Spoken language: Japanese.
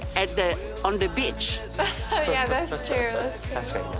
確かにな。